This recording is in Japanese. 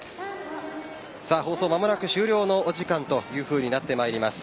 放送、間もなく終了のお時間となってまいります。